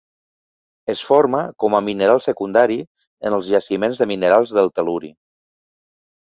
Es forma com a mineral secundari en els jaciments de minerals del tel·luri.